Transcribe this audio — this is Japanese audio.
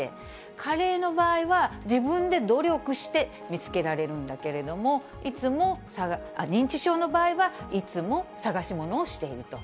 加齢の場合は、自分で努力して見つけられるんだけれども、いつも、認知症の場合は、いつも捜し物をしていると。